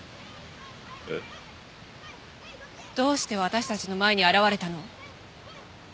えっ？どうして私たちの前に現れたの？